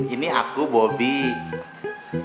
ini aku bobby